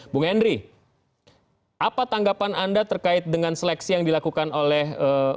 bung hendry apa tanggapan anda terkait dengan seleksi yang dilakukan oleh